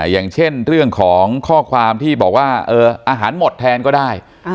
อย่างเช่นเรื่องของข้อความที่บอกว่าอาหารหมดแทนก็ได้